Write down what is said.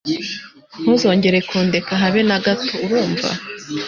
Ntuzongere kundeka habe nagato urumva.